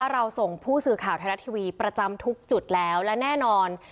เราส่งผู้สื่อข่าวไทยรัฐทีวีประจำทุกจุดแล้วและแน่นอน